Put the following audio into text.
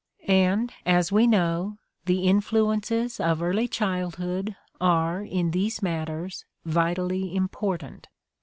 And, as we know, the influ ences of early childhood are, in these matters, vitally important.